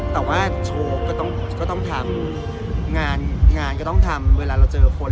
แต่ว่าโชว์ก็ต้องทำงานงานก็ต้องทำเวลาเราเจอคน